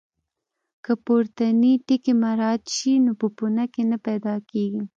که پورتني ټکي مراعات شي نو پوپنکي نه پیدا کېږي.